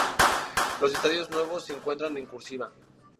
Los estadios nuevos se encuentran en "cursiva".